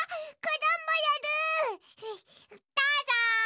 どうぞ！